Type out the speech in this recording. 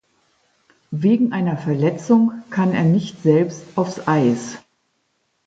Wegen einer Verletzung kann er nicht selbst aufs Eis.